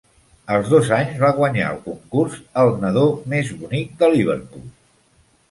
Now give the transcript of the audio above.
A dos anys va guanyar el concurs "El nadó més bonic de Liverpool".